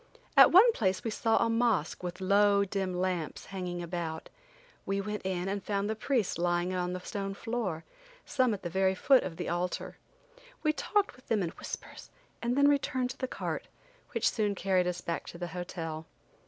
At one place we saw a mosque with low, dim lamps hanging about. We went in and found the priests lying about on the stone floor, some at the very foot of the altar. We talked with them in whispers and then returned to the cart, which soon carried us back to the hotel.